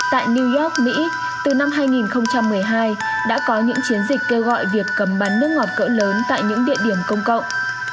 tại new york mỹ từ năm hai nghìn một mươi hai đã có những chiến dịch kêu gọi việc cầm bắn nước ngọt cỡ lớn tại những địa điểm công cộng